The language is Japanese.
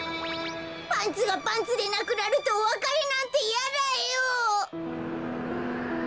パンツがパンツでなくなるとおわかれなんてやだよ！